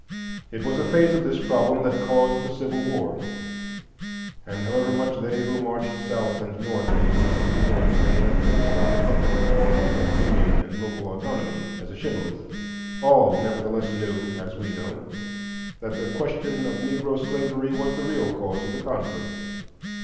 It was a phase of this problem that caused the Civil War; and however much they who marched South and North in 1861 may have fixed on the technical points, of union and local autonomy as a shibboleth, all nevertheless knew, as we know, that the question of Negro slavery was the real cause of the conflict.